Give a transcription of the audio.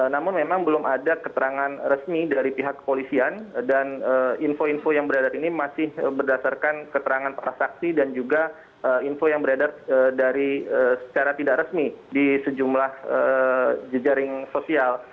namun memang belum ada keterangan resmi dari pihak kepolisian dan info info yang beredar ini masih berdasarkan keterangan para saksi dan juga info yang beredar secara tidak resmi di sejumlah jejaring sosial